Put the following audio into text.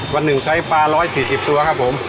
วันหนึ่งใช้ปลา๑๔๐ตัวครับผม